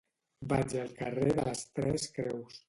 Vaig al carrer de les Tres Creus.